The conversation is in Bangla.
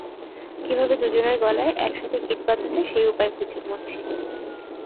কীভাবে দুজনের গলায় একসাথে গিট বাঁধা যায় সেই উপায় খুঁজে মরছি।